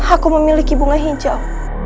aku memiliki bunga hijau